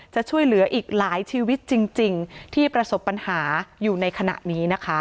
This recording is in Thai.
จะช่วยเหลืออีกหลายชีวิตจริงที่ประสบปัญหาอยู่ในขณะนี้นะคะ